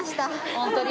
本当に。